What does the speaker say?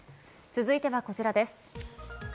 続いてはこちらです。